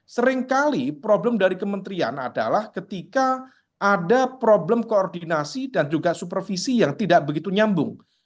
seringkali problem dari kementerian adalah ketika ada problem koordinasi dan juga supervisi yang tidak begitu nyambung